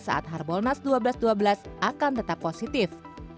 saat harbolnas dua belas dua belas akan tetap positif